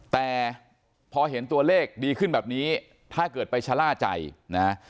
แต่พอเห็นตัวเลขดีขึ้นแบบนี้ถ้าเกิดไปชะล่าใจนะฮะ